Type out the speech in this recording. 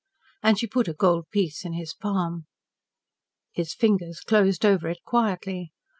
And she put a goldpiece in his palm. His fingers closed over it quietly.